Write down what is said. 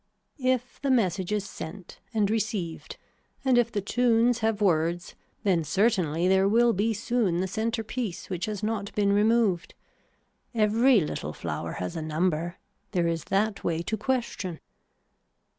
If the message is sent and received and if the tunes have words then certainly there will be soon the center piece which has not been removed. Every little flower has a number. There is that way to question.